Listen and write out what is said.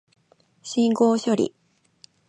信号処理